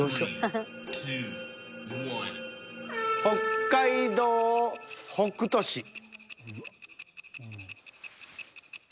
北海道北斗市。